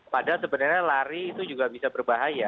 padahal sebenarnya lari itu juga bisa berbahaya